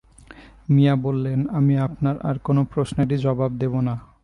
মিয়া বললেন আমি আপনার আর কোনো প্রশ্নেরই জবাব দেব না।